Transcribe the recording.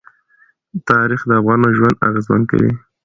تاریخ د افغانانو ژوند اغېزمن کوي.